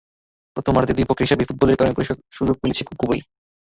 প্রথমার্ধে দুই পক্ষের হিসেবি ফুটবলের কারণে পরিষ্কার সুযোগ মিলেছে খুব কমই।